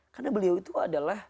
karena beliau itu adalah